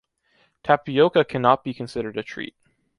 Tapioca cannot be considered a treat.